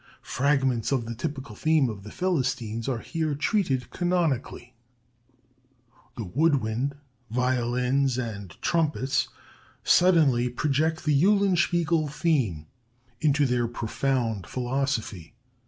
Fragments of the typical theme of the Philistines are here treated canonically. The wood wind, violins, and trumpets suddenly project the 'Eulenspiegel' theme into their profound philosophy.